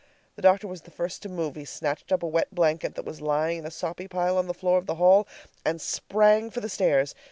The doctor was the first to move. He snatched up a wet blanket that was lying in a soppy pile on the floor of the hall and sprang for the stairs.